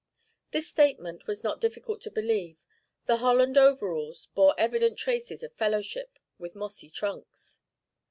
This statement was not difficult to believe: the Holland overalls bore evident traces of fellowship with mossy trunks.